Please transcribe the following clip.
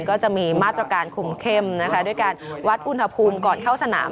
ก็จะมีมาตรการคุมเข้มนะคะด้วยการวัดอุณหภูมิก่อนเข้าสนาม